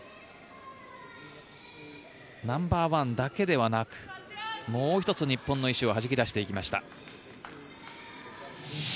ナンバーワンだけではなくもう１つ日本の石をはじき出していきました。